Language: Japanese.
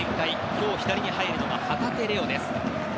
今日、左に入るのは旗手怜央です。